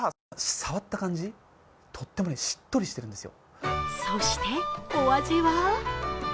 触った感じ、とってもしっとりしてるんですよ。